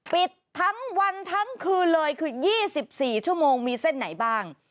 ปิดทั้งวันทั้งคืนเลยคือ๒๔ชั่วโมงมีเส้นไหนบ้าง